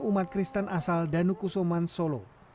umat kristen asal danuku soman solo